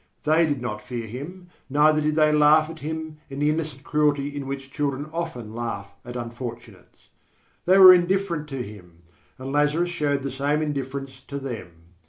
They did not fear him, neither did they laugh at him in the innocent cruelty in which children often laugh at unfortunates. They were indifferent to him, and Lazarus showed the same indifference to them.